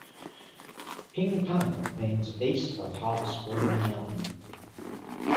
"Pingtung" means "East of Half-Screen Mountain.